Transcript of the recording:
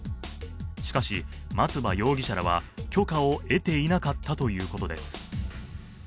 しかし、松葉容疑者らは許可を得ていなかったということです。